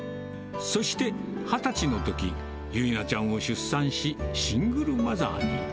そして、２０歳のとき、由奈ちゃんを出産し、シングルマザーに。